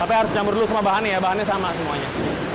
tapi harus campur dulu sama bahannya ya bahannya sama semuanya